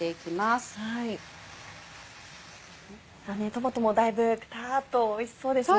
トマトもだいぶくたっとおいしそうですね。